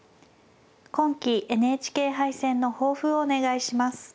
今期ＮＨＫ杯戦の抱負をお願いします。